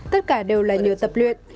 tất cả đều là nhiều tập luyện